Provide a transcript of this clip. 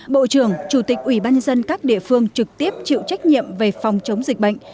bộ trưởng chủ tịch ubnd các địa phương trực tiếp chịu trách nhiệm về phòng chống dịch bệnh